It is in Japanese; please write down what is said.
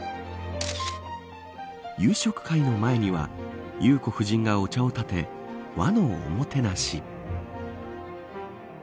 夕食会の前には裕子夫人がお茶をたて和のおもてなし。